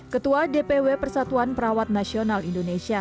ketua dpw persatuan perawat nasional indonesia